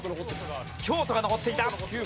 京都が残っていた。